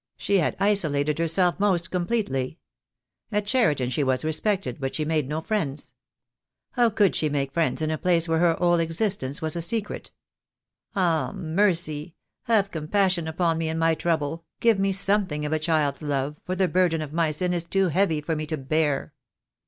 She had isolated herself most completely. At Cheriton she was respected, but she made no friends. How could she make friends in a place where her whole existence was a secret? Ah, Mercy, have compassion upon me in my trouble — give me something of a child's love, for the burden of my sin is too heavy for me to bear."